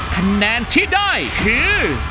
คะแนนที่ได้คือ